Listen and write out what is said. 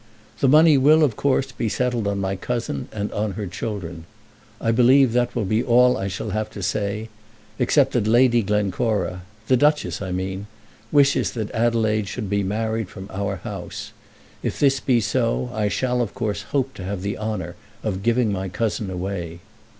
The money will, of course, be settled on my cousin and on her children. I believe that will be all I shall have to say, except that Lady Glencora, the Duchess, I mean, wishes that Adelaide should be married from our house. If this be so I shall, of course, hope to have the honour of giving my cousin away."